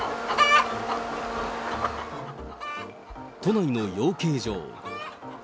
都内の養鶏場。